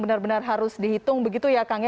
benar benar harus dihitung begitu ya kang